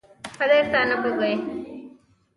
تاسو کولای شئ د خپل مسلک اړونده جملې هم ور اضافه کړئ